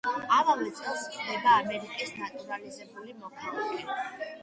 ამავე წელს ხდება ამერიკის ნატურალიზებული მოქალაქე.